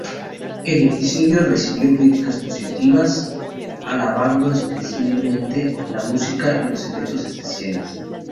El episodio recibió críticas positivas, alabando especialmente la música y los efectos especiales.